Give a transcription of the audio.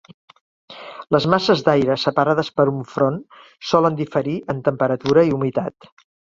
Les masses d'aire separades per un front solen diferir en temperatura i humitat.